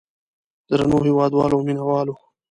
درنو هېوادوالو او مینه والو.